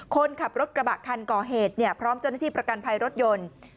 คนขับรถกระบะคันก่อเหตุพร้อมเจ้าหน้าที่ประกันภัยรถยนต์